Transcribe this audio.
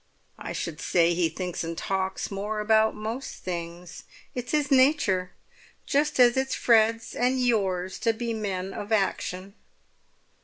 "I should say he thinks and talks more about most things; it's his nature, just as it's Fred's and yours to be men of action."